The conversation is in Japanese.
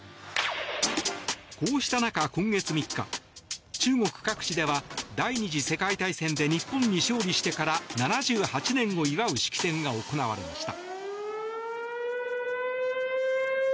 こうした中、今月３日中国各地では第２次世界大戦で日本に勝利してから７８年を祝う式典が行われました。